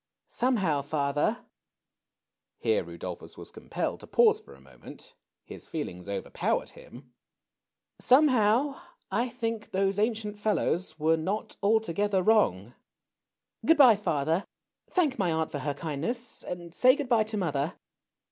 Somehow, father "— here Rudol phus was compelled to pause for a moment ; his feelings overpowered him —" somehow I think those ancient fellows were not altogether wrong. Good by, father. Thank my aunt for her kindness — and say good by to mother.